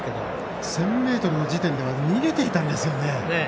１０００ｍの時点では逃げていたんですよね。